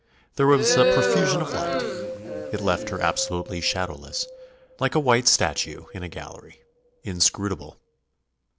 There was a profusion of light. It left her absolutely shadowless, like a white statue in a gallery; inscrutable.